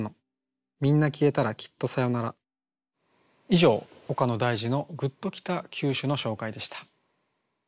以上「岡野大嗣の“グッときた九首”」の紹介でした。